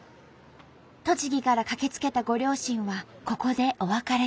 栃木から駆けつけたご両親はここでお別れです。